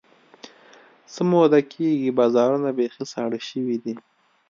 څه موده کېږي، بازارونه بیخي ساړه شوي دي.